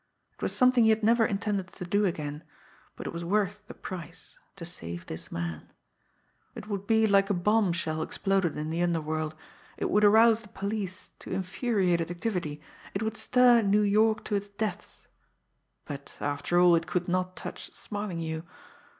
It was something he had never intended to do again but it was worth the price to save this man. It would be like a bombshell exploded in the underworld; it would arouse the police to infuriated activity; it would stir New York to its depths but, after all, it could not touch Smarlinghue.